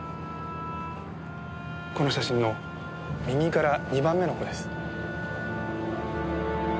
この写真の右から２番目の子です。